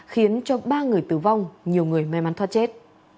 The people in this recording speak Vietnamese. khiến cho ba người tử vong nhiều người may mắn thoát chết